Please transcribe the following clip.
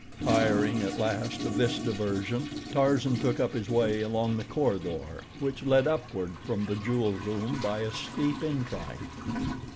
Tiring at last of this diversion, Tarzan took up his way along the corridor which led upward from the jewel room by a steep incline.